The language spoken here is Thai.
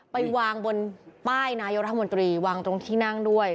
ไปวางบนป้ายนายกรัฐมนตรีวางตรงที่นั่งด้วย